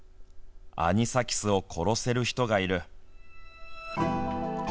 アニサキスを殺せる人がいる。